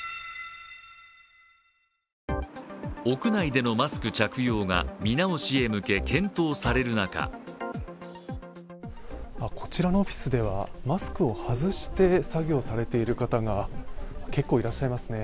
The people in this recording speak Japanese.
屋内でのマスク着用が見直しへ向け検討される中こちらのオフィスではマスクを外して作業されている方が結構いらっしゃいますね。